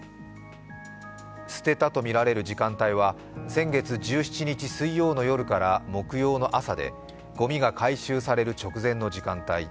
捨てたとみられる時間帯は先月１７日水曜の夜から木曜の朝で、ごみが回収される直前の時間帯。